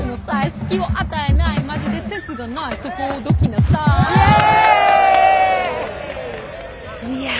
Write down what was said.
隙を与えないマジでセンスがないそこをどきなさいいや